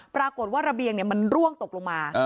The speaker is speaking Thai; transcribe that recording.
ปรากฏว่าระเบียงมันร่วงตกลงมา